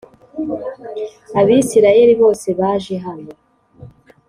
Abisirayeli bose baje hano